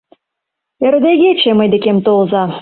Ӧрдегече, мый декем толза.